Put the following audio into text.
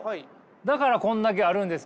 だからこんだけあるんですけど。